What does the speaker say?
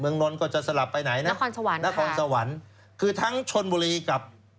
นนท์ก็จะสลับไปไหนนะนครสวรรค์นครสวรรค์คือทั้งชนบุรีกับ